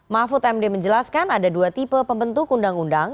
mahfud md menjelaskan ada dua tipe pembentuk undang undang